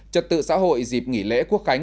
trật tự xã hội dịp nghỉ lễ quốc khánh